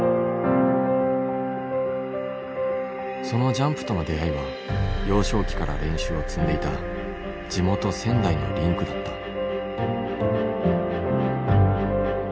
そのジャンプとの出会いは幼少期から練習を積んでいた地元仙台のリンクだった。